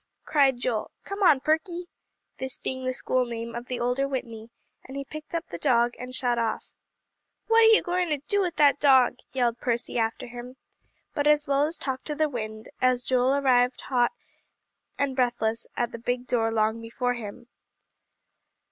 cried Joel. "Come on, Perky," this being the school name of the older Whitney, and he picked up the dog, and shot off. "What are you going to do with that dog?" yelled Percy after him. But as well talk to the wind, as Joel arrived hot and breathless at the big door long before him.